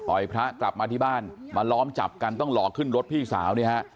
พระกลับมาที่บ้านมาล้อมจับกันต้องหลอกขึ้นรถพี่สาวเนี่ยฮะ